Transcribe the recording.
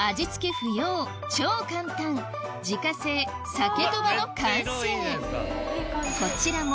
不要超簡単自家製鮭とばの完成